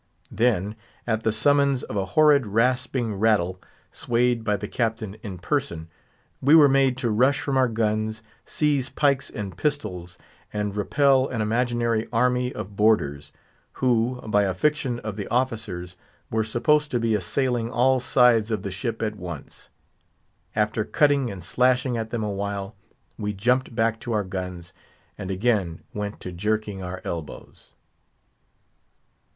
Then, at the summons of a horrid, rasping rattle, swayed by the Captain in person, we were made to rush from our guns, seize pikes and pistols, and repel an imaginary army of boarders, who, by a fiction of the officers, were supposed to be assailing all sides of the ship at once. After cutting and slashing at them a while, we jumped back to our guns, and again went to jerking our elbows.